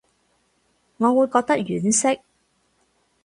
我會覺得婉惜